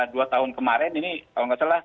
dua tahun kemarin ini kalau nggak salah